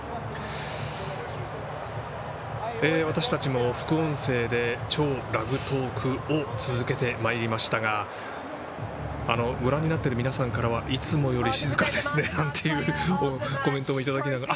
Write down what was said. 私たちも副音声で「超ラグトーク」を続けてまいりましたがご覧になっている皆さんからはいつもより静かですねとコメントもいただきながら。